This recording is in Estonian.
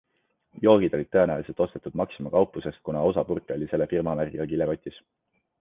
Joogid olid tõenäoliselt ostetud Maxima kauplusest, kuna osa purke oli selle firmamärgiga kilekotis.